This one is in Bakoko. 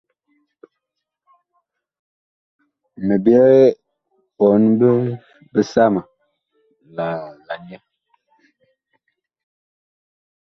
Mi byɛɛ ɓɔɔn bisama la nyɛ.